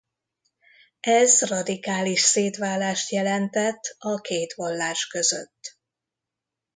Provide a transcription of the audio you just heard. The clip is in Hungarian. Ez radikális szétválást jelentett a két vallás között.